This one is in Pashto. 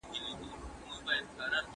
که وخت وي، ښوونځی ته ځم!؟